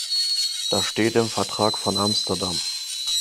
Das steht im Vertrag von Amsterdam.